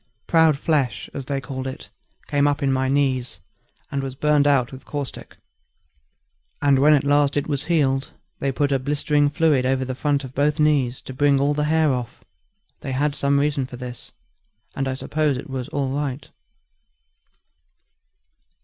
Proud flesh, as they called it, came up in my knees, and was burned out with caustic; and when at last it was healed, they put a blistering fluid over the front of both knees to bring all the hair off; they had some reason for this, and I suppose it was all right.